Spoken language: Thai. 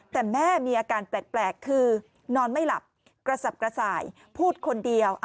แต่แม่มีอาการแปลกคือนอนไม่หลับกระสับกระส่ายพูดคนเดียว